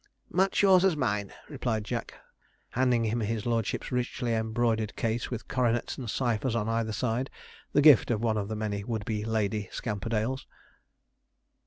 'Much yours as mine,' replied Jack, handing him his lordship's richly embroidered case with coronets and ciphers on either side, the gift of one of the many would be Lady Scamperdales.